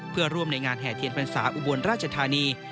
เพื่อร่วมในงานแห่เทียนพรรษาอุบลราชธานี